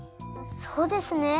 そうですね。